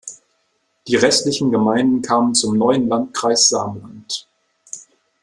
Die restlichen Gemeinden kamen zum neuen Landkreis Samland.